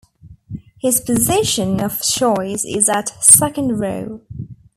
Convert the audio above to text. His position of choice is at second row.